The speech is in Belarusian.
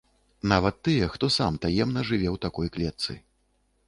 Нават тыя, хто сам таемна жыве ў такой клетцы.